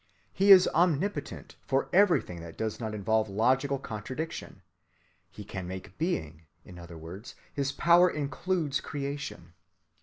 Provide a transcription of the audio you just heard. He is omnipotent for everything that does not involve logical contradiction. He can make being—in other words his power includes creation.